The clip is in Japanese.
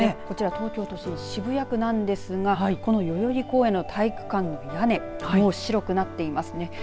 こちら東京都心渋谷区なんですがこの代々木公園の体育館の屋根もう白くなっていますね。